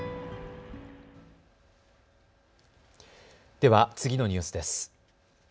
では次のニュースです。